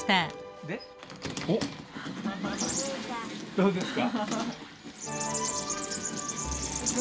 どうですか？